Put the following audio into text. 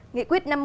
nghị quyết năm mươi